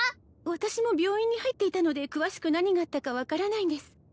私も病院に入っていたので詳しく何があったか分からないんです